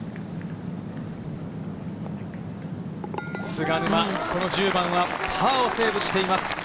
菅沼、この１０番はパーをセーブしています。